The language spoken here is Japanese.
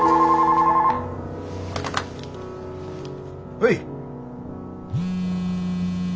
☎はい。